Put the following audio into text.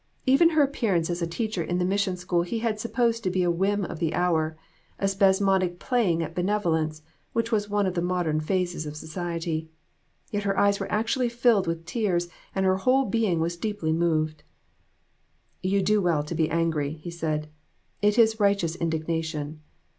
Even her appearance as a teacher in the mission school he had supposed to be a whim of the hour a spasmodic playing at benevolence, which was one of the modern phases of society. Yet her eyes were actually filled with tears and her whole being was deeply moved. "You do well to be angry," he said; "it is righteous indignation.